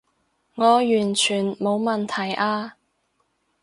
我完全冇問題啊